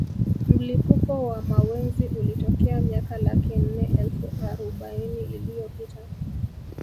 Mlipuko wa mawenzi ulitokea miaka laki nne elfu aroubaini iliyopita